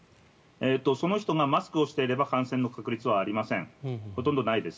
その人がマスクをしていれば感染の確率はほとんどないです。